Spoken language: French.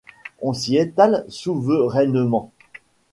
On s’y étale souverainement.